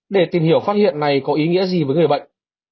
để tìm hiểu phát hiện này có ý nghĩa gì với người bệnh